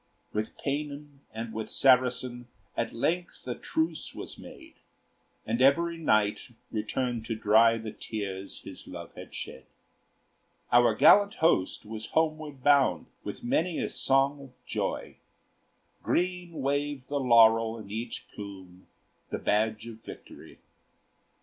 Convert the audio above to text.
With Paynim and with Saracen At length a truce was made, And every knight returned to dry The tears his love had shed. Our gallant host was homeward bound With many a song of joy; Green waved the laurel in each plume, The badge of victory.